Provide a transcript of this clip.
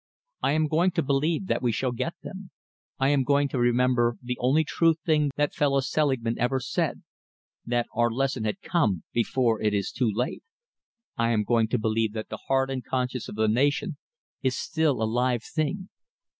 I am going to believe that we shall get them. I am going to remember the only true thing that fellow Selingman ever said: that our lesson had come before it is too late. I am going to believe that the heart and conscience of the nation is still a live thing.